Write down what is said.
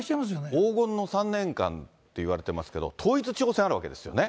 黄金の３年間って言われてますけど、統一地方選あるわけですよね。